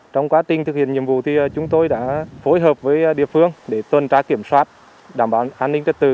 trong quá trình thực hiện nhiệm vụ thì chúng tôi đã phối hợp với địa phương để tuần tra kiểm soát đảm bảo an ninh trật tự